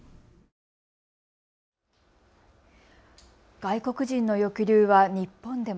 外国人の抑留は日本でも。